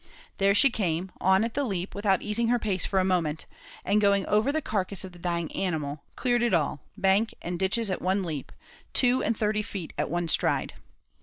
There she came, on at the leap without easing her pace for a moment, and going over the carcass of the dying animal, cleared it all, bank and ditches at one leap two and thirty feet at one stride!